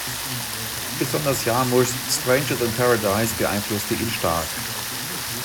Besonders Jarmuschs "Stranger than Paradise" beeinflusste ihn stark.